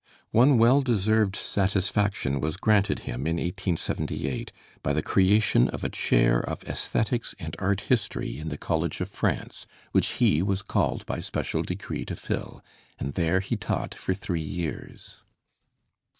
One well deserved satisfaction was granted him in 1878 by the creation of a chair of Æsthetics and Art History in the College of France, which he was called by special decree to fill; and there he taught for three years.